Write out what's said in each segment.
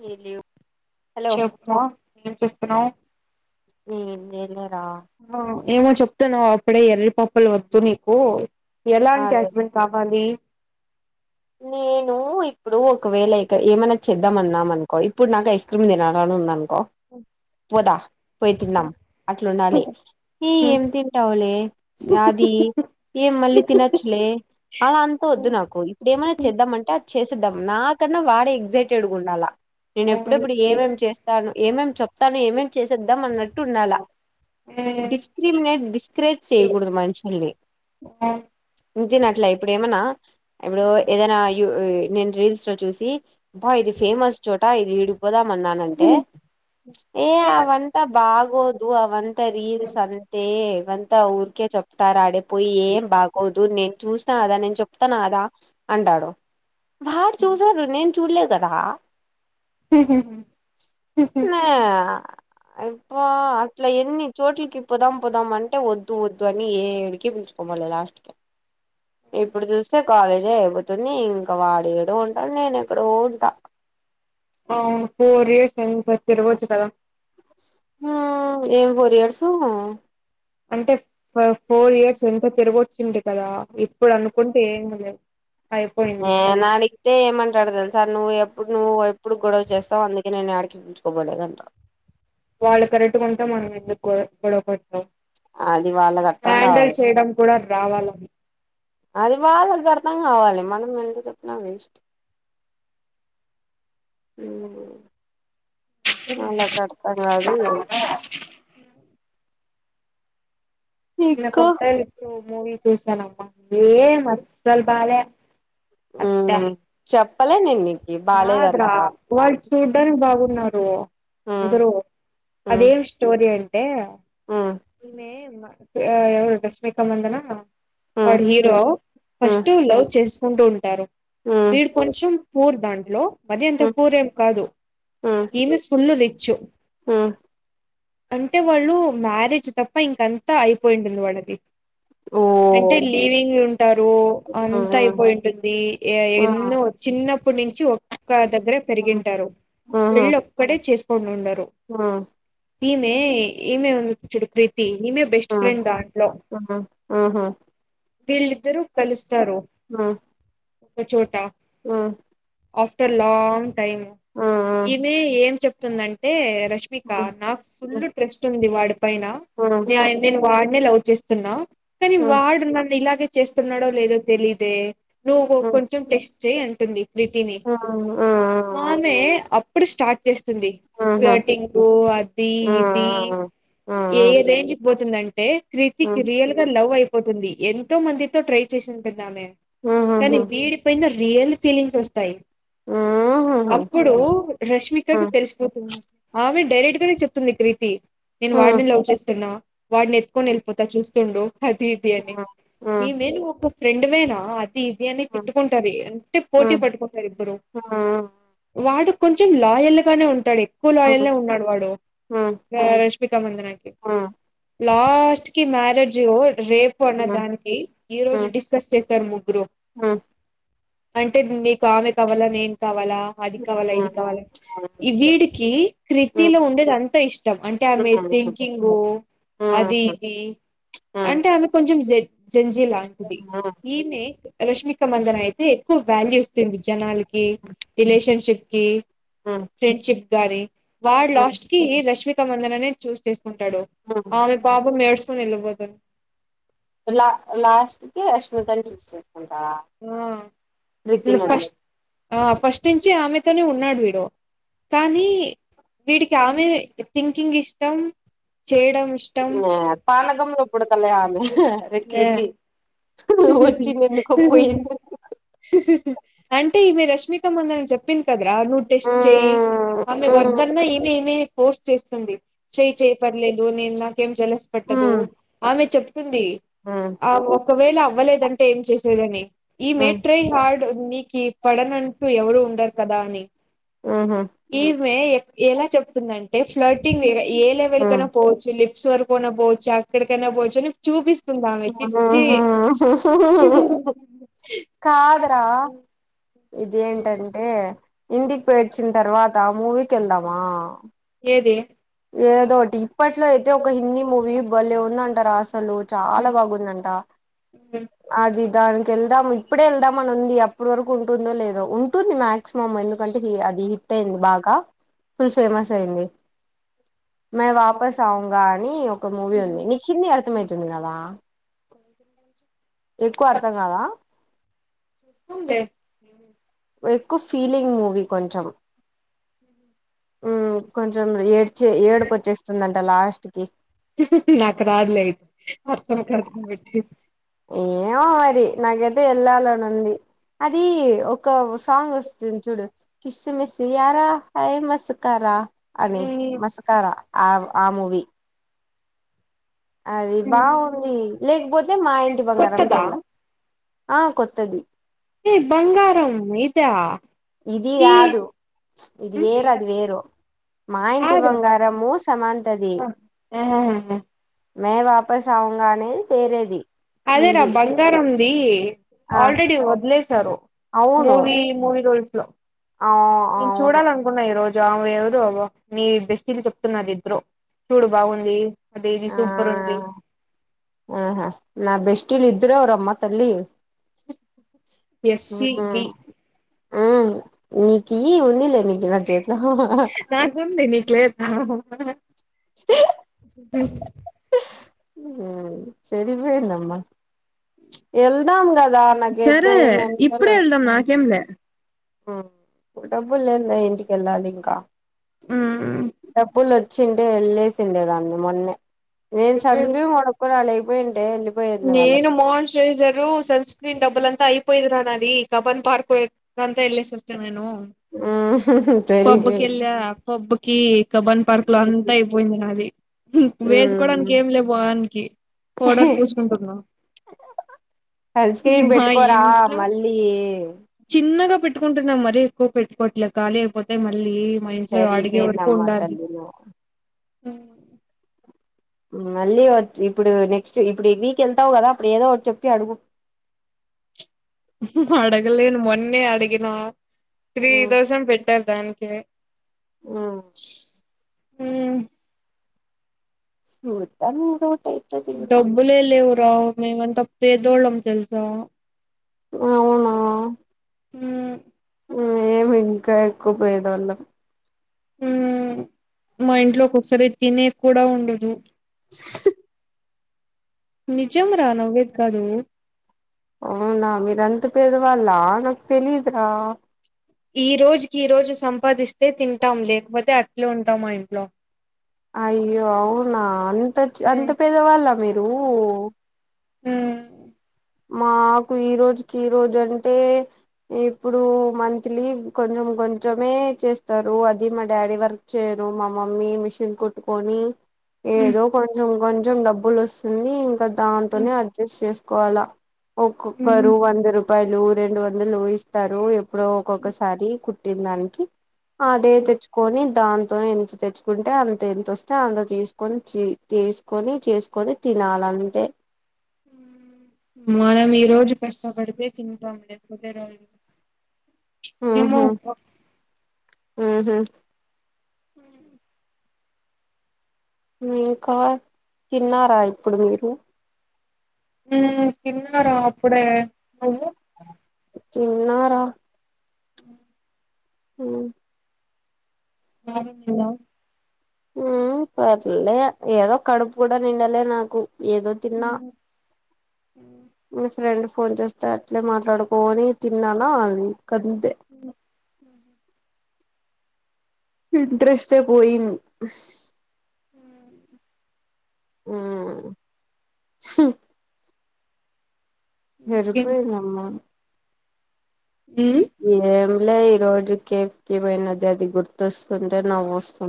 Hello చెప్పు ఏం చేస్తున్నావ్ ఏం చేయలే రా ఏమో చెప్తున్నావ్ అప్పుడే ఎర్రి పప్పలు వద్దు నీకు ఎలాంటి అదే హస్బెండ్ కావాలి నేను ఇప్పుడు ఒకవేళ ఏమైనా చేద్దామన్నామనుకో ఇప్పుడు నాకు ఐస్ క్రీమ్ తినాలని ఉందనుకో అ పోదా పోయి తిందాం అట్లుండాలి ఈ హ్మ్ ఏమి తీ తింటావులే అది ఏం మళ్ళీ తినొచ్చలే అలా అనుకోవద్దు నాకు ఏమైన్నా చేద్దామంటే అది చేసేద్దాం నాకన్నా వాడే ఎగ్జైటెడ్ గా ఉండాలా నేను ఎప్పుడెప్పుడు ఓకే. ఏమేమి చేస్తాను ఏమేమి చెప్తాను ఏమేం చేసేద్దాం అన్నట్టు ఉండాలా ఎ ప్రతి మినిట్ డిస్కరేజ్ చేయకూడదు మనుషుల్ని ఇంతనిట్ల ఇప్పుడేమన్నా ఇప్పుడు ఏదైనా యు నేను రీల్స్లో చూసి అబ్బ ఇది ఫేమస్ చోట ఇది విడిపోదామన్నానంటే ఏ అవంతా బాగోదు అవంతా రీల్స్ అంతే ఇవంతా ఊర్కే చెప్ప తారు ఆడిపోయి ఏం బాగోదు నేను చూసిన కదా నేను చెప్తాను కదా అంటడు వాడు చూసాడు నేను చూడలే కదా హ ఇప్పు అట్లా ఎన్ని చోట్లకి పోదాం పోదామంటే వద్దు వద్దు వద్దు అని ఏ ఏడికి పిలుచుకుపోల లాస్ట్ కి ఇప్పుడు చూస్తే కాలేజే అయిపోతుంది ఇంకా వాడేడో ఉంటాడు నేను ఎక్కడో ఉంటా అ ఫోర్ ఇయర్స్ అయింది మరి తిరగొచ్చు కదా ఆ ఏం ఫోర్ ఇయర్స్ అంటే ఫోర్ ఇయర్స్ ఎంత తిరగొచ్చింటి కదా ఇప్పుడు అనుకుంటే ఏమి లేదు అయిపోయింది నేనాడి అతే ఏమంటాడు తెలుసా నువ్వు ఎప్పుడు నువ్వు ఎప్పుడు గొడవ చేస్తావు అందుకే నేను ఎడికి పిలుచుకు పోలేదు అంటాడు వాళ్ళు కరెట్టుకుంటే మనం ఎందుకు గొడవ పడతాం అది వాళ్ళకి అర్థం హ్యాడిల్ కావాలి చేయడం కూడా రావాల అది వాళ్లకుఅర్థం కావాలి మనం ఎందుకు చెప్పిన ఇష్టం వాళ్లకు అర్థం కాదు ఏం నిన్న ఇంకా కొతా ఇచ్చటు మూవి చూసానమ్మ ఏమస్సలు బాలె అబ్బే హ్మ్ చెప్పలే నేను నీకి బాలేదంట కాదురా వాడు చూడ్డానికి బాగున్నాడు హ్మ్ ఏందిరో హ్మ్ అదే ఇష్ స్టోరి అంటే హ్మ్ ఈమె ఎవరు రష్మిక మధనా హ్మ్ వాడు హీరో హ్మ్ ఫస్ట్ లవ్ చేసుకుంటూ ఉంటారు హ్మ్ వీడు కొంచెం పూర్ దాంట్లో మరి అంత హ్మ్ పూరేం కాదు హ్మ్ ఈమె ఫుల్లు రిచ్చు హ్మ్ అంటే వాళ్ళు మ్యారేజ్ తప్ప ఇంకంతా అయిపోయింటుంది వాళ్ళది ఓ అంటే లీవింగ్ ఉంటారు అంత అయిపోయి ఉంటుంది ఎన్నో చిన్నప్పటి నుంచి ఒక్క దగ్గరే పెరిగింటారు పెళ్ళ [unintelligible] ఉండరు ఆ ఈమె ఈమె ఉంది చూడు ప్రీతి ఇమే బెస్ట్ ఫ్రెండ్ దాంట్లో వీళ్ళిద్దరు కలుస్తారు ఒక చోట ఆ ఆఫ్టర్ లాంగ్ టైమ్ ఈమె ఏం చెప్తుందంటే రష్ మిక నాకు ఫుల్లు ట్రస్ట్ ఉంది వాడి పైన న నేను వాడినే లవ్ చేస్తున్నా కానీ వాడు నన్ను ఇలాగే చేస్తున్నాడో లేదో తెలిదే నువ్వు కొంచెం టెస్ట్ చేయి అంటుంది ప్రీతిని ఆ ఆమె అప్పుడు స్టార్ట్ చేస్తుంది ఫ్లటి [unintelligible] అది ఇది ఆ ఏ రేంజ్ పోతుందంటే క్రితిక్ రియల్ గా లవ్ అయిపోతుంది ఎంతో మందితో ట్రై చేసింటుందామే కానీ వీడి పైన రియల్ ఫీలింగ్స్ వస్తాయి అప్పుడు రష్మికకి తెలిసిపోతుంది ఆమె డైరెక్ట్ గానే చెప్తుంది [unintelligible] నేను వాడినే లవ్ చేస్తున్నా వాడిని ఎత్తుకొని వెళ్ళిపోతా చూస్తుండు అది ఈమె నువ్వు ఒక ఫ్రెండ్ వేన ఇది అని తిట్టుకుంటారు అంటే పోటీ పట్కుంటారు ఇబరు వాడు కొంచెం లాయల్ గానే ఉంటాడు ఎక్కువ లాయల్ గా ఉన్నాడు వాడు రష్మికా మందనాకి లాస్ట్ కి మ్యారేజ్ రేపు అన్న దానికి ఈ రోజు డిస్కస్ చేస్తారు ముగ్గురు అంటే నీకు ఆమె కావాలా నేను కావాలా అది కావాల ఇది కావాల ఈ వీడికి క్రితిలో ఉండేది అంత ఇష్టం అంటే ఆ మీద థింకింగు అది ఇది అంటే ఆమె కొంచెం జ జంజి లాంటిది ఈమె రష్మిక మందన అయితే ఎక్కువ వాల్యూ ఇస్తుంది జనాలకి రిలేషన్షిప్ కి ఫ్రెండ్షిప్ గాని వాడు లాస్ట్కి రష్మిక మందననే చూస్ చేసుకుంటాడు ఆమె పాపం ఏడుచు [unintelligible] వెళ్ళిపోతది. లా లాస్ట్ కి రష్మికని చూసి చేసుకుంటడా ఆ [unintelligible] ఆ ఫస్ట్ నుంచి ఆమెతోనే ఉన్నాడు వీడు కానీ వీడికి ఆమె థింకింగ్ ఇష్టం చేయడం ఇష్టం పానకంలో పుడకలే ఆమె [unintelligible] వచ్చంది ఎందుకో పోయింది [unintelligible] అంటే ఈమే రష్మిక మందన చెప్ చెప్పింది కదరా నువ్ టెస్ట్ చేయి మ్మ్ ఆమె మ్మ్ వద్దన్నా ఈమే ఈమే ఫోర్స్ చేస్తుంది చేయి చెయ్ పర్లేదు నేను నాకేం జలస్ పట్టదు ఆమె చెప్తుంది మ్మ్ ఆ ఒకవేళ అవ్వలేదంటే ఏం చేసేదని ఈమె మ్మ్ ట్రై హార్డ్ నీకి పడనంటు ఎవరు ఉండరు కదా అని ఆహ ఈమె ఎలా చెప్తుందంటే ఫ్లటింగ్ ఏ లెవెల్ కైన మ్మ్ పోవచ్చు లీ [unintelligible] చూపిస్తుందామే చీ చ్చీ మ్మ్ కద్రా ఇదిఎంటంటే ఇంటికి పోయోచ్చిన తర్వాత మూవీకకేళ్దామా ఏది ఏదోటి ఇప్పట్లో అయితే ఒక హిందీ మూవీ బలే ఉంద అంట రాస్ అసలు చాలా బాగుందంట అది దానికి వెళ్దాం ఇప్పుడే వెళ్దామ అని ఉంది అప్పుడు వరకు ఉంటుందో లేదో ఉంటుంది మాక్సిమం ఎందుకంటే అది టైన్ది బాగా ఫుల్ ఫేమస్ అయింది మై వాపస్ అవుంగా అని ఒక మూవీ ఉంది నీకు హింది అర్థంమవుతుంది కదా ఎక్కువ అర్థం కాదా ఉంది ఏంది ఎక్కువ ఫీలింగ్ మూవీ కొంచెం ఉమ్ కొంచెం ఏడ్చే ఏడుపోచ్చేస్తుందంట లాస్ట్కి నాకు రాదులే అర్థం కాదు ఏమో మరి నాకైయితే వెళ్ళాలని ఉంది అది ఒక సాంగోస్తుంది చూడు కిస్సు మిస్సుయర హై మస్ కారా అని ఉమ్ మస్కారా ఆ ఆ మూవీ అది బాగుంది లేకపోతే మా ఇంటి కొత్తదా బంగారంకేళ్దాం ఆ కొత్తది ఏ బంగారం ఇదా ఇది కాదు ఇది వేరది వేరు మా ఇంటి బంగారము సమాంతది ఆహ మై వాపస్ ఆవుంగనేది వేరేది అదేరా హిందీ బంగారంది ఆ ఆల్రెడి వదిలేసారు మూవీ మూవీ రూల్స్లో అవు ఆ అవును చూడాలనుకున్న ఈ రోజు ఆ ఎవరు నీ బెస్టీ లు చెప్తున్నారు ఇద్దరు చూడు బాగుంది దే సూపర్ ఉంది ఆహ నా బెస్ట్లద్దరమ్మ తల్లి ఉహ ఎస్సి బి ఆ నీకి ఉందిలే నీకు నా చేతిలో ఉమ్ ఉమ్ సరివేనమ్మా ఎల్దా కా లనగేతే మంటల ఏంలే ఉమ్ డబ్బులు లేదే ఇంటికిళ్ళాలి ఇంకా ఉమ్ డబ్బులు వచ్చిండే వెళ్ళేసిండే దాన్ని మొన్నే నేను చదుకు మొడ కుడలగిపోయింట నేను మోహన్ శ్రైజరు సన్ స్క్రీన్ డబ్బుల్ అంత అయిపోయిరా నా అది కబన్ పార్క్ వ అంతా ఇల్లి సిస్టర్ నేను ఆ పబ్బుకేళ్ళా పబ్బుకి కబన్ పార్క్ లో అంతా అయిపోయింది అది ఉమ్ వేసుకోవడానికి ఏమిలే మోహనికి పౌడర్ పుస్ కుంటుంద సన్ స్క్రీన్ మా పెట్టుకోరా ఏంట్లో మళ్ళీ చిన్నగా పెట్టుకుంటున్నాం మరి ఎక్కువ పెట్టుకోట్లే ఖాళీ అయిపోతే మళ్ళీ మా ఇంట్లో అడిగే వరకు సరిపోయిందమ్మా ఉండాలి తల్లి నువ్వు మళ్ళీ ఇప్పుడు నెక్స్ట్ ఇప్పుడు ఈ వీక్ వెళ్తావు కదా అప్పుడు ఏదో ఒక చెప్పి అడుగు అడగలేను మొన్నే అడిగినా త్రీ థౌసండ్ పెట్టారు దానికి ఆ ఉమ్ చూద్దాం ఏదో ఒకటి అయితది ఇంగా లే లేవురా మేమంతా పేదోళ్లం తెలుసా అవునా ఉమ్ మేము ఇంకా ఎక్కువ పేదోళ్ళం ఉ మా ఇంట్లో ఒక్కొక్కసారి తినేది కూడా ఉండదు నిజం రా నవ్వేది కాదు అవునా మీరంత పేదవాళ్ళ నాకు తెలీదురా ఈ రోజుకి ఈ రోజు సంపాదిస్తే తింటాం లేకపోతే అట్లే ఉంటాం మా ఇంట్లో అయ్యో అవునా అంత అంత మ్మ్, పేదవాళ్ల మీరు ఉమ్ మాకు ఈ రోజుకి ఈ రోజు అంటే ఇప్పుడు మంత్లీ కొంచెం కొంచమే చేస్తారు అది మా డాడీ వర్ చేరు మా మమ్మీ మిషన్ కుట్టుకొని ఏదో కొంచెం కొంచెం డబ్బులు వస్తుంది ఇంకా మ్మ్, దాంతోనే అడ్జస్ట్ చేసుకోవాలా మ్మ్, ఒక్కొక్కరు మ్మ్. వంద రూపాయలు రెండు వందలు ఇస్ స్తారు ఎప్పుడో ఒక్కొక్కసారి కుట్టిన దానికి అదే తెచ్చుకొని దాంతోనే ఇంత తెచ్చు కుంటే అంత ఎంతొస్తే అంత తీసుకొని తీసుకొని చేసుకొని తినాల అంతే మనం ఈ రోజు కష్టపడితే తింటాం లేకపోతే రోజు ఏమో ఉహు అబ్బా ఉహు హ ఇంకా తిన్నారా ఇప్పుడు మీరు తిన్నారా అప్పుడే నువ్వు తిన్నారా ఆ నాలుగు తిన్నావా? పర్లే ఏదో కడుపు కూడా నిండలే నాకు ఏదో తిన్నా మ్మ్, మ్మ్, మ్మ్. మీ ఫ్రెండ్ ఫోన్ చేస్తూ త అట్లే మాట్లాడుకోనీ తిన్నానా ఇంకా అంతే ఇంట్రెస్టే పోయి ఆ ఉ ఇంకేం ఎరుపైందమ్మా ఉమ్ ఏం లే ఈరోజు కేఎఫ్ కి పోయినా అది గుర్తొస్తుంటే నవ్వు వస్తు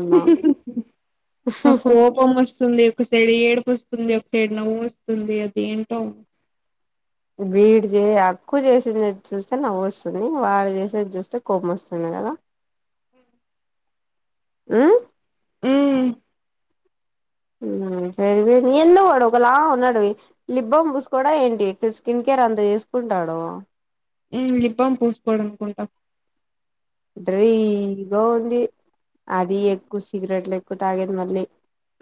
నాకు కోపం వస్తుంది ఒకసైడు ఏడుపు వస్తుంది ఒకసైడు నవ్వు వస్తుంది అది ఏంటో వీడి చే ఎక్కువ చేసింది చూస్తే నవ్వు వస్తుంది వాడు చేసేది చూస్తే కోపం వస్తుంది కదా ఉ ఊ మూ నావి ఏంటి ఏంటివి ఏందో వాడు ఒకలా ఉన్నాడువి లిప్ బామ్ పూసుకోడా ఏంటి స్కిన్ కేర్ అంత చేసుకుంటాడూ ఉమ్ లిప్ బామ్ పూసుకోడు అనుకుంటా డ్రై గా ఉంది అదీ ఎక్కువ సిగరెట్లు ఎక్కువ తాగేది మళ్ళీ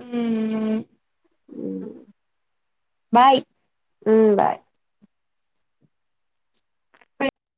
ఊనా ఊ బాయ్ ఊ బాయ్